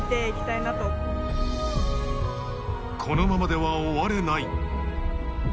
このままでは終われない。